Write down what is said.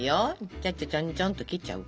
ちょっちょっちょんちょんっと切っちゃう？